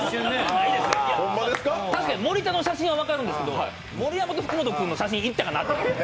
確かに、森田の写真は分かるんですけど、盛山と福本君の写真、必要やったかなと。